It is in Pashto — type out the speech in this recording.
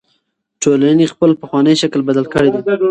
ټولنې خپل پخوانی شکل بدل کړی دی.